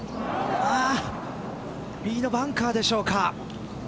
右のバンカーでしょうか。